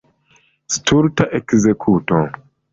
Stulta ekzekuto!